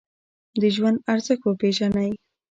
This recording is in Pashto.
د ژوند ارزښت وپیژنئ